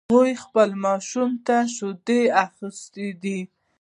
هغې خپل ماشوم ته شیدي ده اخیستی ده